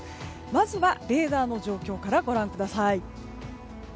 まず、レーダーの状況からご覧ください。